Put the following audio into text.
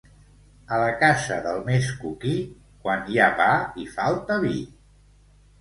A la casa del més coquí, quan hi ha pa hi falta vi.